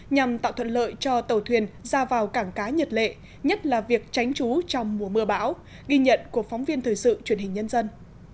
nhằm tạo thuận lợi cho tàu thuyền ra vào cảng cá nhật lệ nhất là việc tránh trú trong mùa mưa bão ghi nhận của phóng viên thời sự truyền hình nhân dân